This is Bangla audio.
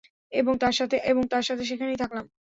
এবং তার সাথে সেখানেই থাকলাম।